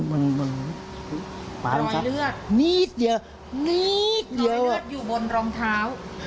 โฆษฮะโฆษอยู่บนรองเท้า